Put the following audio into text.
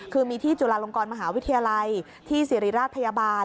คือมีที่จุฬาลงกรมหาวิทยาลัยที่สิริราชพยาบาล